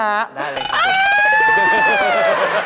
ได้เลยครับ